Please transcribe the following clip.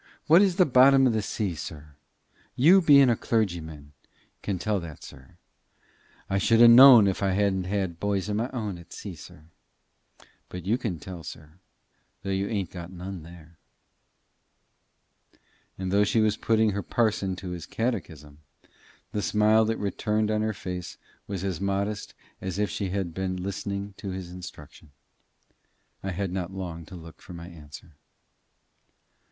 What is the bottom of the sea, sir? You bein' a clergyman can tell that, sir. I shouldn't ha' known it if I hadn't had bys o' my own at sea, sir. But you can tell, sir, though you ain't got none there." And though she was putting her parson to his catechism, the smile that returned on her face was as modest as if she had only been listening to his instruction. I had not long to look for my answer.